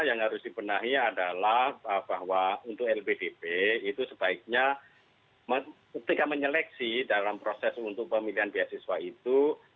yang harus dibenahi adalah bahwa untuk lbdp itu sebaiknya ketika menyeleksi dalam proses untuk pemilihan beasiswa itu